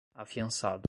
afiançado